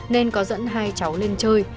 nên có dẫn hai cháu lên chơi